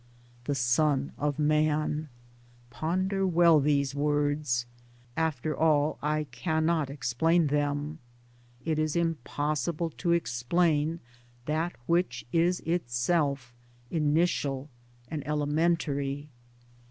The Son of Man — Ponder well these words. After all I cannot explain them : it is impossible to explain that which is itself initial and elementary.